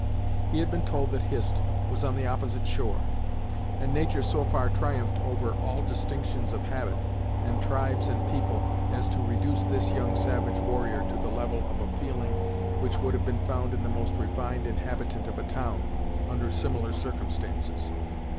He had been told that Hist was on the opposite shore, and nature so far triumphed over all distinctions of habit, and tribes and people, as to reduce this young savage warrior to the level of a feeling which would have been found in the most refined inhabitant of a town, under similar circumstances.